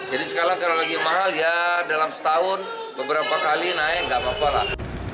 jadi sekarang kalau lagi mahal ya dalam setahun beberapa kali naik gak apa apa lah